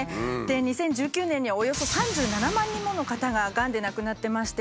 ２０１９年にはおよそ３７万人もの方ががんで亡くなってまして。